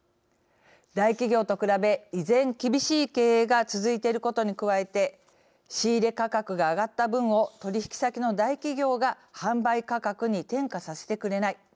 大企業と比べ依然、厳しい経営が続いていることに加えて仕入れ価格が上がった分を取引先の大企業が販売価格に転嫁させてくれない。